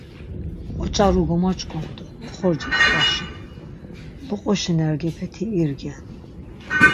Oç̆aru kogomoç̆k̆ondu, oxorcas gvaşinu, luquşi nergepeti irgen.